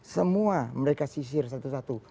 semua mereka sisir satu satu